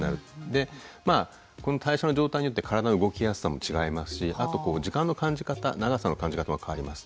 でこの代謝の状態によって体の動きやすさも違いますしあと時間の感じ方長さの感じ方も変わります。